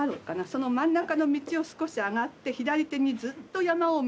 その真ん中の道を少し上がって左手にずっと山を見ながら。